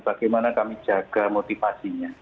bagaimana kami jaga motivasinya